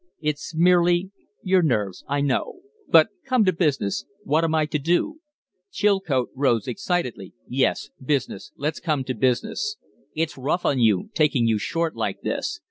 It's merely " "Your nerves. I know. But come to business. What am I to do?" Chilcote rose excitedly. "Yes, business. Let's come to business. It's rough on you, taking you short like this.